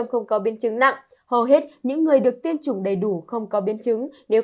chín mươi không có biến chứng nặng hầu hết những người được tiêm chủng đầy đủ không có biến chứng nếu